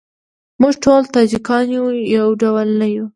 موږ ټول تاجیکان یو ډول نه یوو.